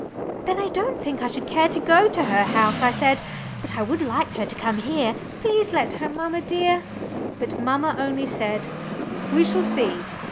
"Then I don't think I should care to go to her house," I said, "but I would like her to come here. Please let her, mamma dear." But mamma only said, "We shall see."